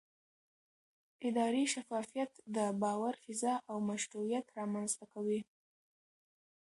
اداري شفافیت د باور فضا او مشروعیت رامنځته کوي